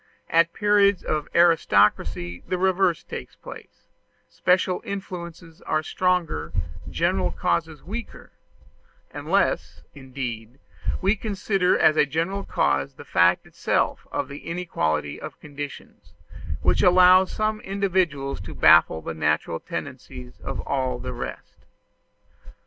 At periods of aristocracy the reverse takes place: special influences are stronger, general causes weaker unless indeed we consider as a general cause the fact itself of the inequality of conditions, which allows some individuals to baffle the natural tendencies of all the rest.